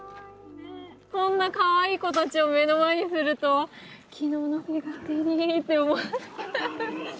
こんなかわいい子たちを目の前にすると昨日のフィガテリって思う。